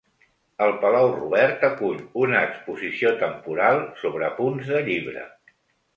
El Palau Robert acull una exposició temporal sobre punts de llibre.